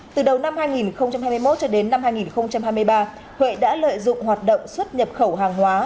từ đầu năm hai nghìn hai mươi một cho đến năm hai nghìn hai mươi ba huệ đã lợi dụng hoạt động xuất nhập khẩu hàng hóa